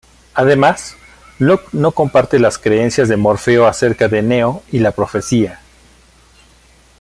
Además, Lock no comparte las creencias de Morfeo acerca de Neo y la Profecía.